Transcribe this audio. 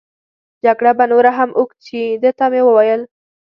جګړه به نوره هم اوږد شي، ده ته مې وویل.